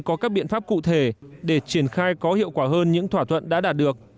có các biện pháp cụ thể để triển khai có hiệu quả hơn những thỏa thuận đã đạt được